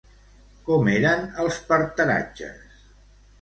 Com eren els parteratges?